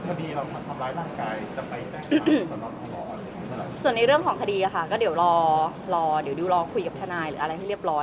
ภิกษ์ส่วนในเรื่องของคดีค่ะก็เดี๋ยวรอคุยกับคณายหรืออะไรให้เรียบร้อย